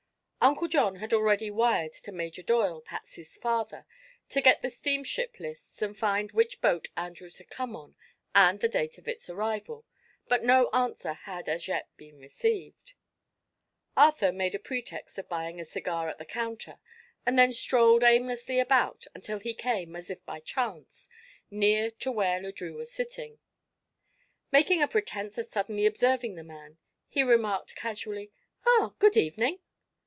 Uncle John had already wired to Major Doyle, Patsy's father, to get the steamship lists and find which boat Andrews had come on and the date of its arrival, but no answer had as yet been received. Arthur made a pretext of buying a cigar at the counter and then strolled aimlessly about until he came, as if by chance, near to where Le Drieux was sitting. Making a pretense of suddenly observing the man, he remarked casually: "Ah, good evening."